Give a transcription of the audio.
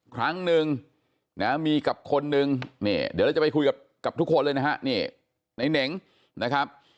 ครั้งนึงนะมีกับคนนึงเนี่ยเดี๋ยวเราจะไปคุยกับทุกคนเลยนะฮะนี่ในเหน่งนะครับ